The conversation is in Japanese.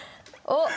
あっ！